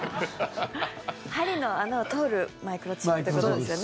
針の穴を通るマイクロチップということですよね。